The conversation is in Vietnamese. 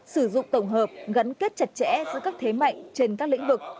sử dụng tổng hợp gắn kết chặt chẽ giữa các thế mạnh trên các lĩnh vực